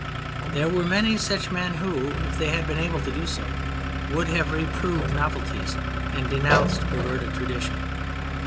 There were many such men who, if they had been able to do so, would have reproved novelties and denounced perverted tradition.